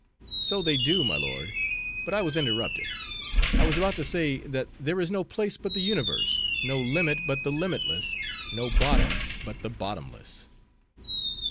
"So they do, my lord; but I was interrupted. I was about to say, that there is no place but the universe; no limit but the limitless; no bottom but the bottomless."